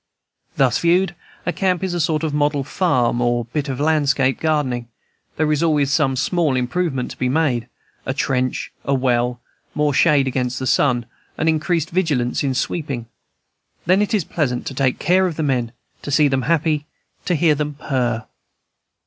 Thus viewed, a camp is a sort of model farm or bit of landscape gardening; there is always some small improvement to be made, a trench, a well, more shade against the sun, an increased vigilance in sweeping. Then it is pleasant to take care of the men, to see them happy, to hear them purr.